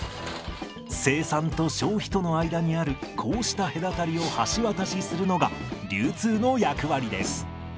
生産と消費との間にあるこうした隔たりを橋渡しするのが流通の役割です。